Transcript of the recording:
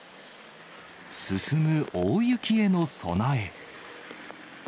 進む大雪への備え。